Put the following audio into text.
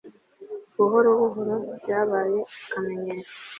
Buhoro buhoro byabaye akamenyero